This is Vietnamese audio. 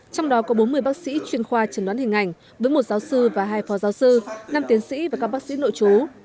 trong đó có bốn mươi bác sĩ chuyên khoa chuẩn đoán hình ảnh với một giáo sư và hai phò giáo sư năm tiến sĩ và các bác sĩ nội chú